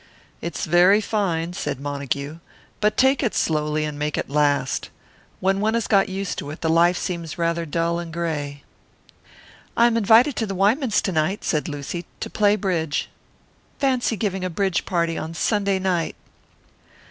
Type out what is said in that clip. "It's very fine," said Montague. "But take it slowly and make it last. When one has got used to it, the life seems rather dull and grey." "I am invited to the Wymans' to night," said Lucy, "to play bridge. Fancy giving a bridge party on Sunday night!"